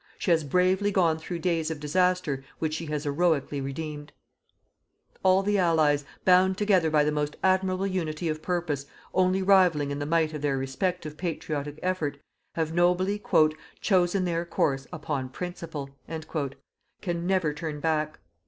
She has bravely gone through days of disaster which she has heroically redeemed. All the Allies, bound together by the most admirable unity of purpose, only rivalling in the might of their respective patriotic effort, having nobly "chosen their course upon principle," can never turn back.